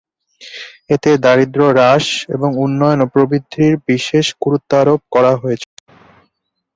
এতে দারিদ্র হ্রাস এবং উন্নয়ন ও প্রবৃদ্ধির বিশেষ গুরুত্বারোপ করা হয়েছিল।